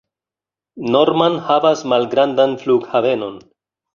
Norman havas malgrandan flughavenon.